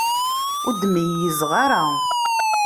Ur d-meyyzeɣ ara.